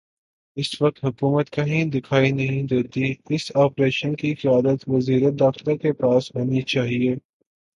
اس وقت حکومت کہیں دکھائی نہیں دیتی اس آپریشن کی قیادت وزیر داخلہ کے پاس ہونی چاہیے۔